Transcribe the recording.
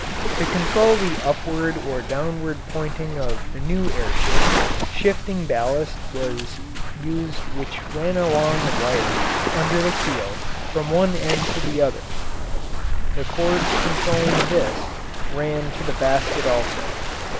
To control the upward or downward pointing of the new air ship, shifting ballast was used which ran along a wire under the keel from one end to the other; the cords controlling this ran to the basket also.